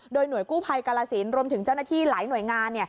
โดยหน่วยกู้ภัยกาลสินรวมถึงเจ้าหน้าที่หลายหน่วยงาน